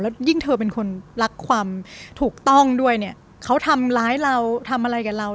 ยิ่งเธอเป็นคนรักความถูกต้องด้วยเนี่ยเขาทำร้ายเราทำอะไรกับเรา